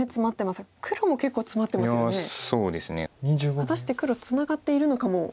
果たして黒ツナがっているのかも。